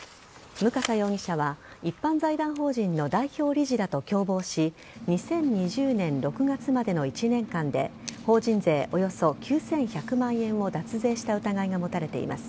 武笠容疑者は一般財団法人の代表理事らと共謀し２０２０年６月までの１年間で法人税、およそ９１００万円を脱税した疑いが持たれています。